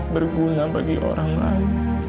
berguna bagi orang lain